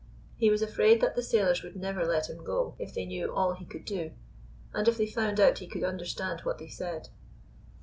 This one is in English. He was afraid that the sailors would never let him go if they knew all he could do, and if they found out he could understand what they said.